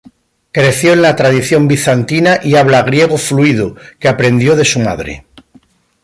Creció en la tradición bizantina y hablaba griego fluido, que aprendió de su madre.